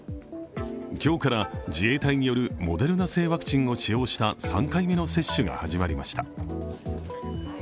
今日から自衛隊によるモデルナ製ワクチンを使用した３回目の接種が始まりました。